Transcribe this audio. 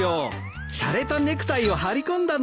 しゃれたネクタイを張り込んだんです。